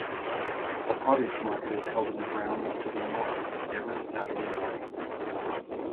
A produce market is held in the grounds to the north every Saturday morning.